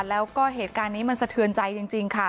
แล้วก็เหตุการณ์นี้มันสะเทือนใจจริงค่ะ